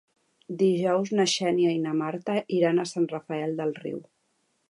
Dijous na Xènia i na Marta iran a Sant Rafel del Riu.